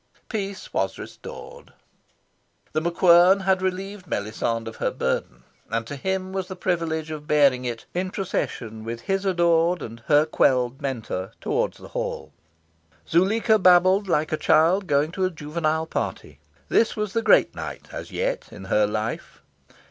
Peace was restored. The MacQuern had relieved Melisande of her burden; and to him was the privilege of bearing it, in procession with his adored and her quelled mentor, towards the Hall. Zuleika babbled like a child going to a juvenile party. This was the great night, as yet, in her life.